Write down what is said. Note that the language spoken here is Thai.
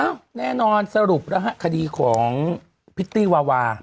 เอ้าแน่นอนสรุปนะฮะคดีของพิตตี้วาวา